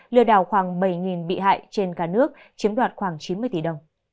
lừa đảo khoảng bảy bị hại trên cả nước chiếm đoạt khoảng chín mươi tỷ đồng